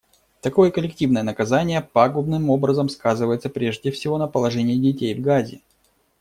Такое коллективное наказание пагубным образом сказывается, прежде всего, на положении детей в Газе.